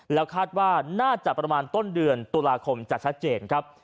แล้วคาดว่าน่าจะประมาณต้นเดือนตุลาคมจะชัดเจนครับ